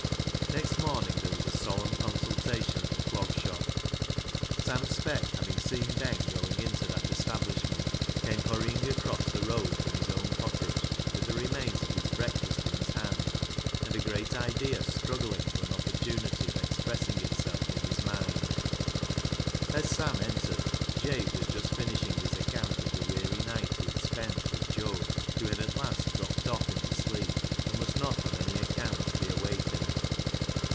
Next morning there was a solemn consulta tion at the Clog Shop. Sam Speck, having seen Ben going into that establishment, came hurrying across the road from his own cottage, with the remains of his breakfast in his hand, and a great idea struggling for an opportunity of expressing itself in his mind. THE HAUNTED MAN 399 As Sam entered, Jabe was just finishing his account of the weary night he had spent with Job, who had at last dropped off into sleep and must not on any account be awakened.